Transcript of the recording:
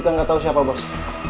kita gak tau siapa bos